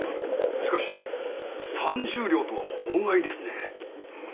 しかし３０両とは法外ですね。